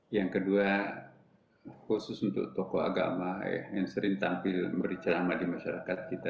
yang kedua khusus untuk toko agama yang sering tampil bercerama di masyarakat kita